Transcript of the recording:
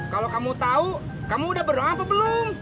kalau kamu mau bisa tentang saya